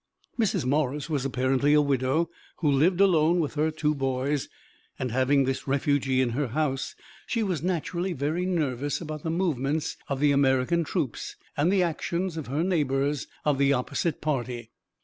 Mrs. Morris was apparently a widow who lived alone with her two boys, and, having this refugee in her house, she was naturally very nervous about the movements of the American troops and the actions of her neighbors of the opposite party.